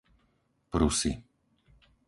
Prusy